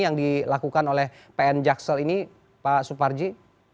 yang dilakukan oleh pn jaksel ini pak suparji